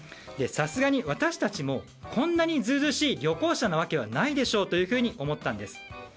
さすがに私たちもこんなに図々しい旅行者のわけはないでしょうと思ったんです。